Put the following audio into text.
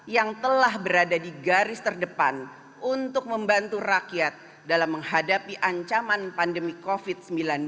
yang telah berada di garis terdepan untuk membantu rakyat dalam menghadapi ancaman pandemi covid sembilan belas